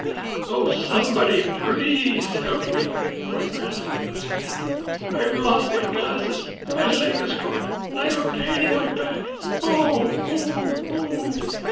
"Oh, somebody do please help me!" cried Grandfather Goosey Gander. "I've lost my glasses, my leg is caught, and I have a pain in my back. Oh, oh, oh!"